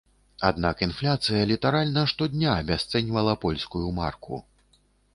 Аднак інфляцыя літаральна штодня абясцэньвала польскую марку.